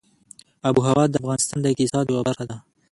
آب وهوا د افغانستان د اقتصاد یوه برخه ده.